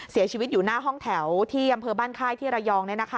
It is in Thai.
เสียชีวิตอยู่หน้าห้องแถวที่อำเภอบ้านค่ายที่ระยอง